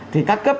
thì các cấp